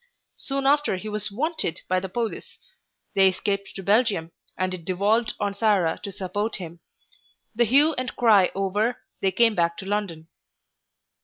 Soon after he was "wanted" by the police; they escaped to Belgium, and it devolved on Sarah to support him. The hue and cry over, they came back to London.